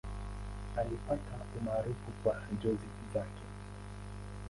Alipata umaarufu kwa njozi zake.